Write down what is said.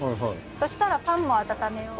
そしたらパンも温めを。